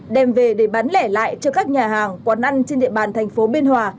đem về để bán lẻ lại cho các nhà hàng quán ăn trên địa bàn thành phố biên hòa